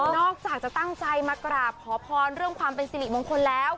อกจากจะตั้งใจมากราบขอพรเรื่องความเป็นสิริมงคลแล้ว